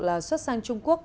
là xuất sang trung quốc